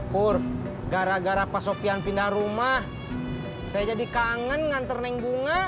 pur gara gara pas sofian pindah rumah saya jadi kangen nganterin bunga